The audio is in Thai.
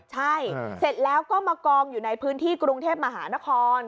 ใช่เสร็จแล้วก็มากองอยู่ในพื้นที่กรุงเทพมหานคร